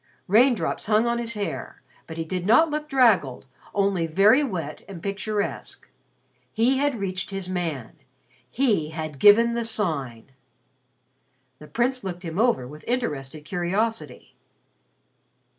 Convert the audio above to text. Raindrops hung on his hair, but he did not look draggled, only very wet and picturesque. He had reached his man. He had given the Sign. The Prince looked him over with interested curiosity.